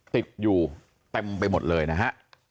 ติดอยู่เต็มไปหมดเลยนะฮะ